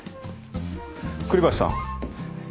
栗林さん。